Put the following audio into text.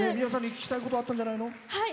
ｍｉｗａさんに聞きたいことあったんじゃないの？